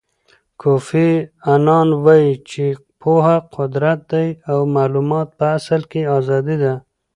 کوفی انان وایي چې پوهه قدرت دی او معلومات په اصل کې ازادي ده.